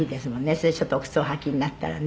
それでちょっとお靴をお履きになったらね」